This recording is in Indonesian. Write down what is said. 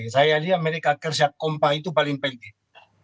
saya lihat mereka kerja kompas itu paling penting